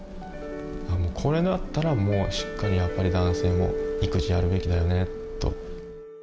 これだったらもうしっかりやっぱり男性も育児やるべきだよねと。